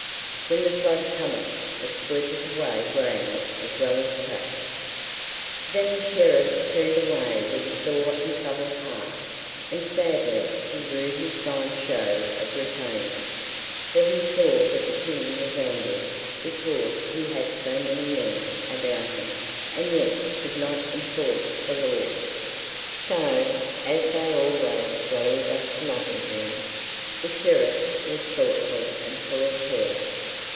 When the flood cometh it sweepeth away grain as well as chaff." Then the Sheriff turned away with a sore and troubled heart, and sadly he rued his fine show of retainers, for he saw that the King was angry because he had so many men about him and yet could not enforce the laws. So, as they all rode slowly back to Nottingham, the Sheriff was thoughtful and full of care.